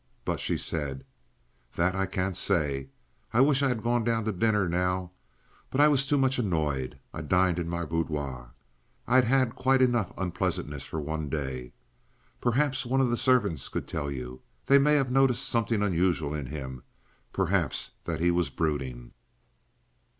But she said: "That I can't say. I wish I'd gone down to dinner now. But I was too much annoyed. I dined in my boudoir. I'd had quite enough unpleasantness for one day. Perhaps one of the servants could tell you. They may have noticed something unusual in him perhaps that he was brooding."